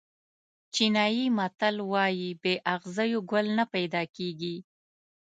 چینایي متل وایي بې اغزیو ګل نه پیدا کېږي.